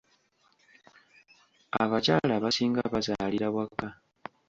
Abakyala abasinga bazaalira waka.